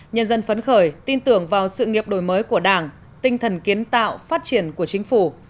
nhân dân phấn khởi tin tưởng vào sự nghiệp đổi mới của đảng tinh thần kiến tạo phát triển của chính phủ